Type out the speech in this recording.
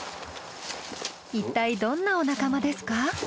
いったいどんなお仲間ですか？